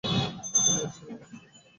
তুমি আসলেই অনেক চালাক।